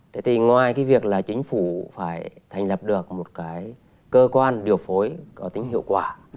thế thì ngoài cái việc là chính phủ phải thành lập được một cái cơ quan điều phối có tính hiệu quả